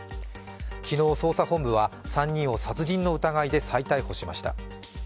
昨日、捜査本部は３人を殺人の疑いで再逮捕しました。